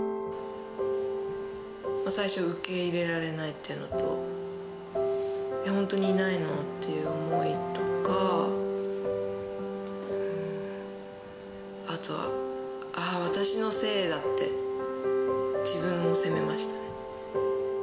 最初、受け入れられないっていうのと、本当にいないのっていう思いとか、あとはああ、私のせいだって、自分を責めましたね。